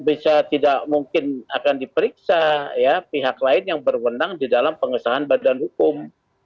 bisa tidak mungkin akan diperiksa pihak lain yang berwenang di dalam pengesahan badan hukum